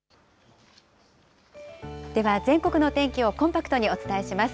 では、全国の天気をコンパクトにお伝えします。